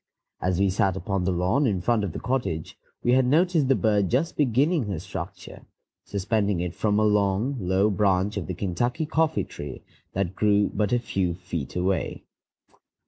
As we sat upon the lawn in front of the cottage, we had noticed the bird just beginning her structure, suspending it from a long, low branch of the Kentucky coffee tree that grew but a few feet away.